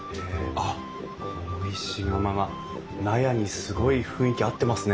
あっこの石窯が納屋にすごい雰囲気合ってますね。